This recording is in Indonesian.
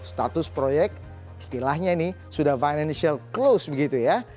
status proyek istilahnya ini sudah financial close begitu ya